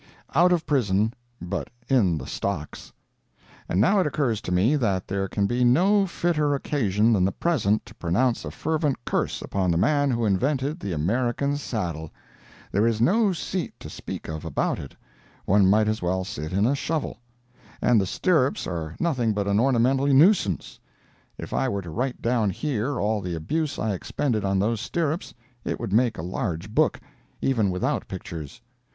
OUT OF PRISON, BUT IN THE STOCKS And now it occurs to me that there can be no fitter occasion than the present to pronounce a fervent curse upon the man who invented the American saddle. There is no seat to speak of about it—one might as well sit in a shovel—and the stirrups are nothing but an ornamental nuisance. If I were to write down here all the abuse I expended on those stirrups, it would make a large book, even without pictures.